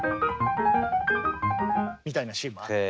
みたいなシーンもあって。